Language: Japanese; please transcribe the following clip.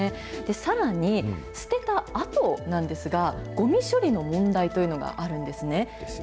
さらに、捨てたあとなんですが、ごみ処理の問題というのがあるんですね。